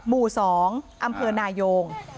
หมู่๒อำเภอนายง